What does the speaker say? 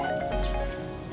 ini sudah selesai